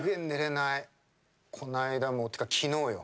こないだもというか昨日よ。